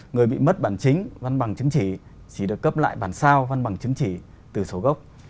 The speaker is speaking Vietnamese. người bị mất bản chính văn bằng chứng chỉ chỉ được cấp lại bản sao văn bằng chứng chỉ từ số gốc